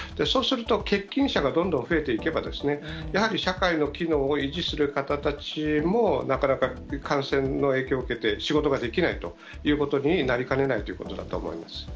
そうすると、欠勤者がどんどん増えていけば、やはり社会の機能を維持する方たちもなかなか感染の影響を受けて、仕事ができないということになりかねないということだと思います。